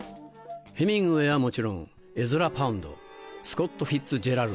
ヘミングウェイはもちろんエズラ・パウンドスコット・フィッツジェラルド。